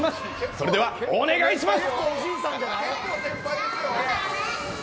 それではお願いします。